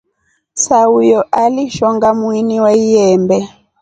Sahuyo alishonga mhini wa lyembee.